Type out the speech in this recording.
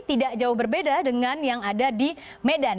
tidak jauh berbeda dengan yang ada di medan